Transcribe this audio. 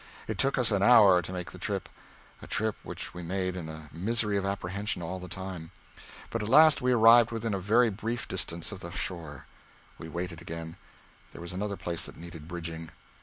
It took us an hour to make the trip a trip which we made in a misery of apprehension all the time. But at last we arrived within a very brief distance of the shore. We waited again; there was another place that needed bridging.